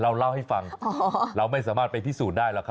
เราเล่าให้ฟังเราไม่สามารถไปพิสูจน์ได้หรอกครับ